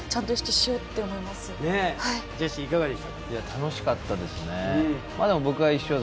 楽しかったですね。